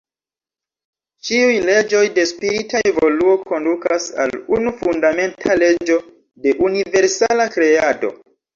Ĉiuj leĝoj de spirita evoluo kondukas al unu fundamenta leĝo de universala kreado.